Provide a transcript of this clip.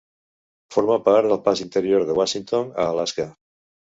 Forma part del pas interior de Washington a Alaska.